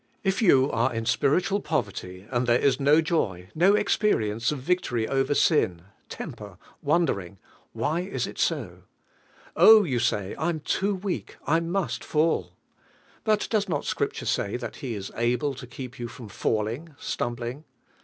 If you are in spiritual poverty, and there is no joy, no experience of victory ever sill, temper, wandering, why lUZ DIVINE HEALING. il is so? "(Hi." vuii say, "I'm too weak, 1 niiKst fall." But does not the Scripture say that He is "able to keep yon from falling (stumbling)"?